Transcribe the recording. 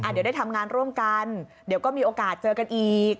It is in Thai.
เดี๋ยวได้ทำงานร่วมกันเดี๋ยวก็มีโอกาสเจอกันอีก